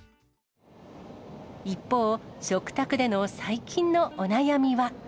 一方、食卓での最近のお悩みは。